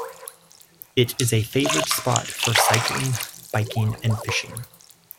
It is a favoured spot for cycling, biking and fishing.